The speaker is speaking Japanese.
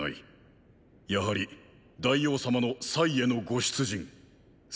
やはり大王様のへのご出陣ーー。